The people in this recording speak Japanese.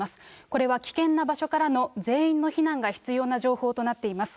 これは危険な場所からの全員の避難が必要な情報となっています。